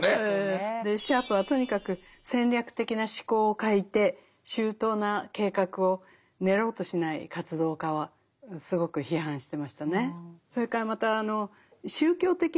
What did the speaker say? シャープはとにかく戦略的な思考を欠いて周到な計画を練ろうとしない活動家はすごく批判してましたね。